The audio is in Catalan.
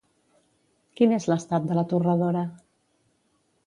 Quin és l'estat de la torradora?